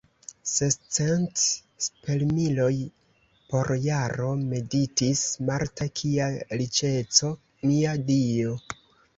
Sescent spesmiloj por jaro, meditis Marta, kia riĉeco, mia Dio!